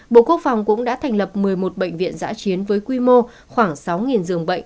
bộ quốc phòng cũng đã thành lập một mươi một bệnh viện giã chiến với quy mô khoảng sáu giường bệnh